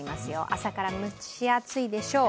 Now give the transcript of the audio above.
朝から蒸し暑いでしょう。